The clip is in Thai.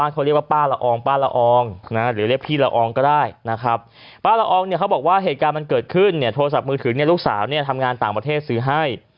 เขาบอกว่าเหตุการณ์มันเกิดขึ้นโทรสัพมือถือลูกสาวทำงานต่างประเทศซื้อให้